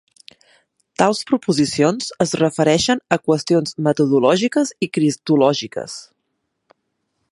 Tals proposicions es refereixen a qüestions metodològiques i cristològiques.